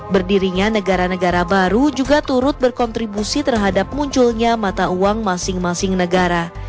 berdirinya negara negara baru juga turut berkontribusi terhadap munculnya mata uang masing masing negara